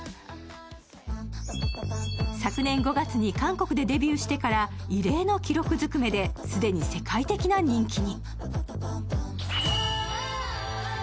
昨年５月に韓国でデビューしてから異例の記録づくめで既に世界的な人気に。